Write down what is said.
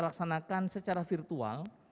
laksanakan secara virtual